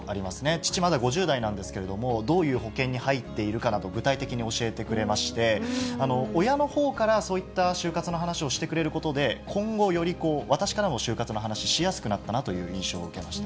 父まだ、５０代なんですけれども、どういう保険に入っているかなど、具体的に教えてくれまして、親のほうからそういった終活の話をしてくれることで、今後、より私からも終活の話、しやすくなったなという印象を受けました